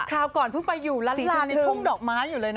คราวก่อนเพิ่งไปอยู่ลาลิลาในทุ่งดอกไม้อยู่เลยนะ